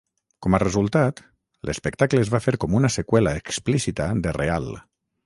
Com a resultat, l'espectacle es va fer com una seqüela explícita de "real".